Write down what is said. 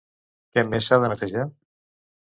Què més s'ha de netejar?